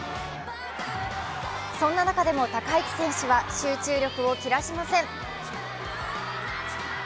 そんな中でも高市選手は集中力を切らしません。